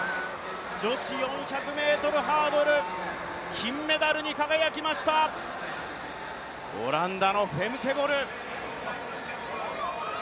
女子４００ｍハードル、金メダルに輝きました、オランダのフェムケ・ボル。